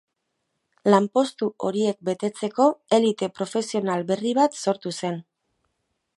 Lanpostu horiek betetzeko elite profesional berri bat sortu zen.